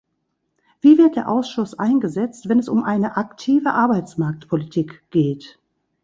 Wie wird der Ausschuss eingesetzt, wenn es um eine aktive Arbeitsmarktpolitk geht?